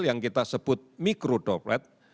yang kita sebut mikrodroplet